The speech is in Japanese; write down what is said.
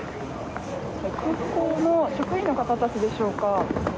空港の職員の方たちでしょうか。